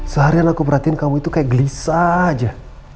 seharian aku perhatiin kamu itu kayak gelis aja